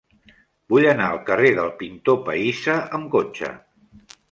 Vull anar al carrer del Pintor Pahissa amb cotxe.